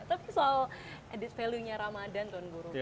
tapi soal added value nya ramadan tuan guru